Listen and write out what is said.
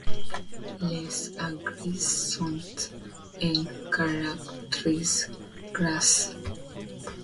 Les gares sont en caractères gras.